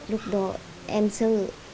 lúc đó em sơ